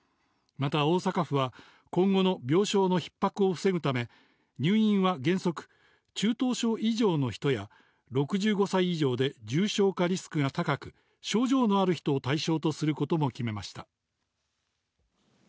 また、大阪府は、今後の病床のひっ迫を防ぐため、入院は原則、中等症以上の人や、６５歳以上で重症化リスクが高く、症状のある人を対象とすることも決めました。